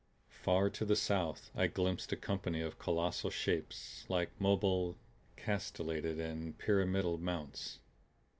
Far to the south I glimpsed a company of colossal shapes like mobile, castellated and pyramidal mounts.